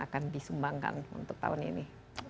akan disumbangkan untuk tahun ini